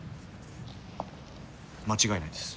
間違いないです。